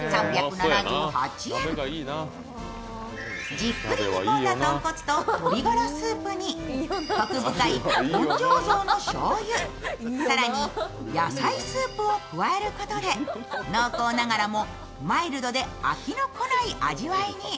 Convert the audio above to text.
じっくり煮込んだ豚骨と鶏ガラスープにこく深い本醸造のしょうゆ、更に、野菜スープを加えることで濃厚ながらもマイルドで飽きのこない味わいに。